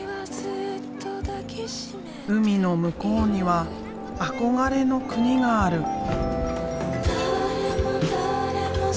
海の向こうには憧れの国がある。